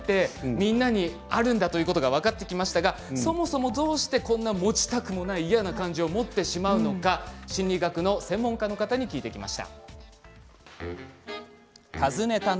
みんなにあるんだということが分かってきましたがそもそもどうしてこんな持ちたくない嫌な感じを持ってしまうのか心理学の専門家の方に聞いてきました。